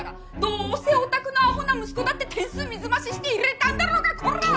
どうせおたくのアホな息子だって点数水増しして入れたんだろうがコラ！